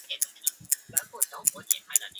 龙头黄芩为唇形科黄芩属下的一个种。